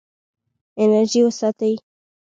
انرژي وساته.